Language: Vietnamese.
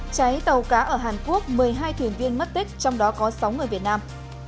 cháy tàu cá ở hàn quốc một mươi hai thuyền viên mất tích trong đó có sáu người việt nam